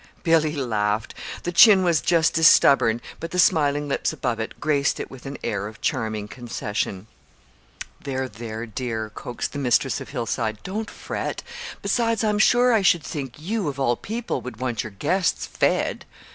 Billy laughed. The chin was just as stubborn, but the smiling lips above it graced it with an air of charming concession. "There, there, dear," coaxed the mistress of Hillside, "don't fret. Besides, I'm sure I should think you, of all people, would want your guests _fed!